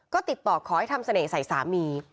ก็ติดต่อขอให้ทำเสน่ห์ใส่สามี